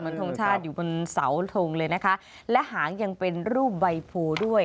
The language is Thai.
ทงชาติอยู่บนเสาทงเลยนะคะและหางยังเป็นรูปใบโพด้วย